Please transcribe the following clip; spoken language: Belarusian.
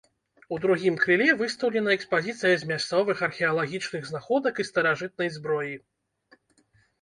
У другім крыле выстаўлена экспазіцыя з мясцовых археалагічных знаходак і старажытнай зброі.